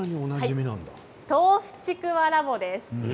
とうふちくわラボです。